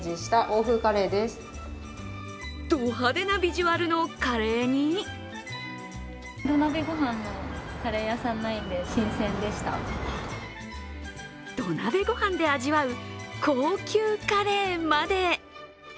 ド派手なビジュアルのカレーに土鍋ご飯で味わう高級カレーまで。